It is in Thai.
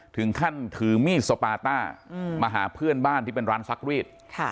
ถึงขั้นถือมีดสปาต้ามาหาเพื่อนบ้านที่เป็นร้านซักรีด